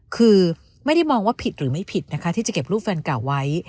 คือไม่ได้มองว่าผิดหรือไม่ผิดนะคะที่จะเก็บรูปแฟนเก่าไว้